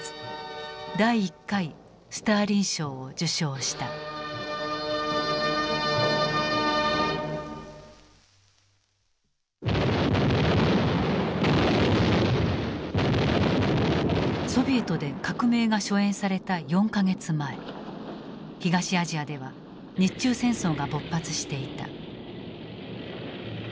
そして１９４１年３月ソビエトで「革命」が初演された４か月前東アジアでは日中戦争が勃発していた。